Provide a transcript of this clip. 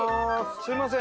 すみません